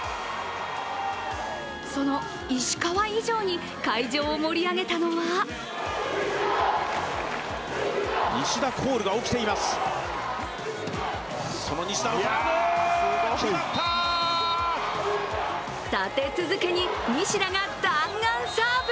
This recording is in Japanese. その石川以上に会場を盛り上げたのは立て続けに西田が弾丸サーブ。